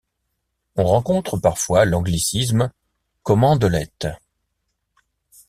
On rencontre parfois l’anglicisme commandelettes.